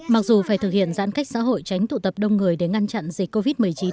mặc dù phải thực hiện giãn cách xã hội tránh tụ tập đông người để ngăn chặn dịch covid một mươi chín